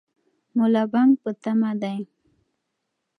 ملا بانګ په تمه دی.